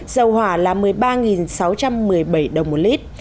dầu hỏa là một mươi ba sáu trăm một mươi bảy đồng một lít